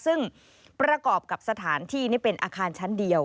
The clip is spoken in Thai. ซึ่งประกอบกับสถานที่นี่เป็นอาคารชั้นเดียว